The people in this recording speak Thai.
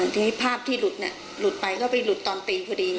ทีนี้ภาพที่หลุดหลุดไปก็ไปหลุดตอนตีพอดี